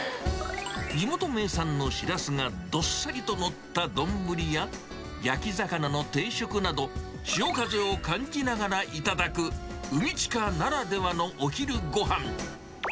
地元名産のしらすがどっさりと載った丼や、焼き魚の定食など、潮風を感じながら頂く、海ちかならではのお昼ごはん。